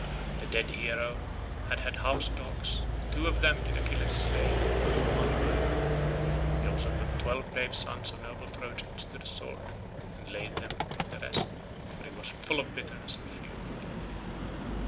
The dead hero had had house dogs; two of them did Achilles slay and threw upon the pyre; he also put twelve brave sons of noble Trojans to the sword and laid them with the rest, for he was full of bitterness and fury.